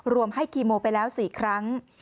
รวมให้คีโมไปแล้ว๔ครั้ง